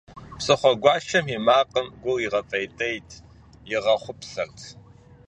Псыхъуэгуащэм и макъым гур игъэпӏейтейт, игъэхъупсэрт.